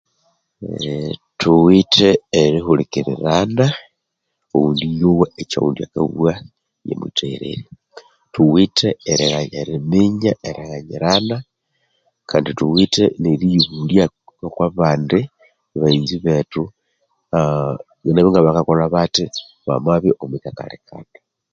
Thuwithe erihulikirirana oghundi inowa ekyoghundi akabugha inamuyitheghererya, thuwithe eryanza eriminya erighanyirana kandi thuwithe neriyibulya okwa abandi baghenzi bethu aa nabo ngabaka kolha bathi bamabya omwi kakalikana.